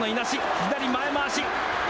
左前まわし。